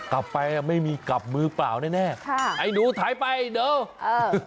กลับไปอ่ะไม่มีกลับมือเปล่าแน่แน่ค่ะไอ้หนูถ่ายไปเดี๋ยวเออ